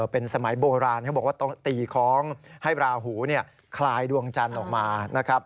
เป็นสมัยโบราณเขาบอกว่าต้องตีคล้องให้ราหูคลายดวงจันทร์ออกมานะครับ